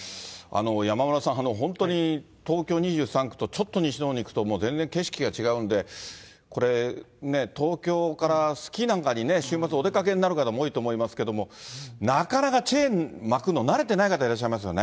山村さん、本当に東京２３区とちょっと西のほうに行くと全然景色が違うんで、これ、ね、東京からスキーなんかに週末お出かけになる方なんかも多いと思いますけれども、なかなかチェーン巻くの慣れてない方、いらっしゃいますよね。